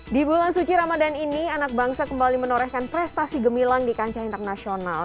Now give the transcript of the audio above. di bulan suci ramadan ini anak bangsa kembali menorehkan prestasi gemilang di kancah internasional